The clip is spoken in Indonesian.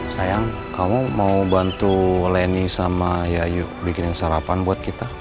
sayang kamu mau bantu leni sama yayu bikinin sarapan buat kita